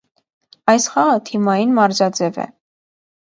Այս խաղը թիմային մարզաձև է։